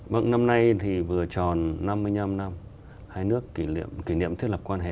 vâng năm nay thì vừa tròn năm mươi năm năm hai nước kỷ niệm thiết lập quan hệ